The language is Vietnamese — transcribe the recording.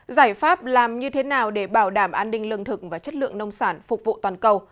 giải pháp làm như thế nào để bảo đảm an ninh lương thực và chất lượng nông sản phục vụ toàn cầu